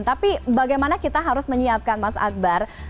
tapi bagaimana kita harus menyiapkan mas akbar